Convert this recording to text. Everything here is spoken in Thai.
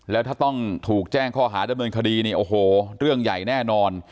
แล้วถ้าต้องถูกแจ้งข้อหาดำเนินคดีนี่โอ้โหเรื่องใหญ่แน่นอน